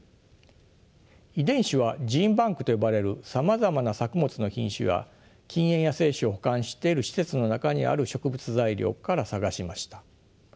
遺伝子はジーンバンクと呼ばれるさまざまな作物の品種や近縁野生種を保管している施設の中にある植物材料から探しました。